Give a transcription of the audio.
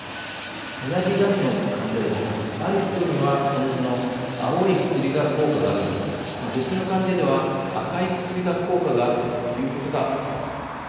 同じがんの患者でもある人には、この図の青の薬が効果があるのに別の患者では、赤いの薬が効果があるということが起きます。